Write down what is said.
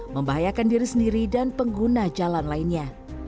membahayakan diri sendiri dan pengguna jalan lainnya